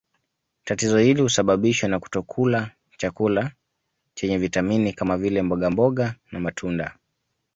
Tatizo hili husababishwa na kutokula chakula chenye vitamini kama vile mbogamboga na matunda